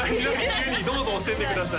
どうぞ教えてください